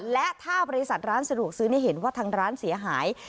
และถ้าบริษัทร้านสะดวกซื้อเห็นว่าทางร้านเสียหาย